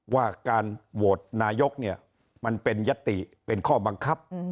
ว่าการโหวตนายกเนี่ยมันเป็นยติเป็นข้อบังคับ